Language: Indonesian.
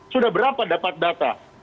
sudah berapa dapat data